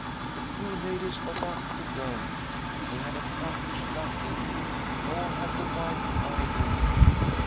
The two ladies got up to go ; they had accomplished nothing, nor had the wife either.